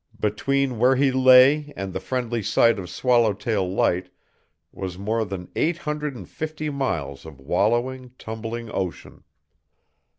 Between where he lay and the friendly sight of Swallowtail Light was more than eight hundred and fifty miles of wallowing, tumbling ocean.